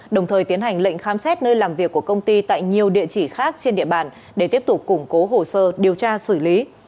đồng thời tiến hành lệnh khám xét nơi làm việc của công ty tại nhiều địa chỉ khác trên địa bàn để tiếp tục củng cố hồ sơ điều tra xử lý